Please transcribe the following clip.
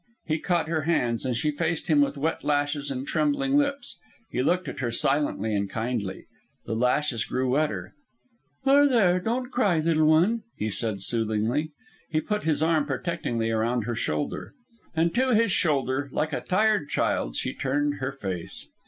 He caught her hands, and she faced him with wet lashes and trembling lips. He looked at her, silently and kindly. The lashes grew wetter. "There, there, don't cry, little one," he said soothingly. He put his arm protectingly around her shoulder. And to his shoulder, like a tired child, she turned her face.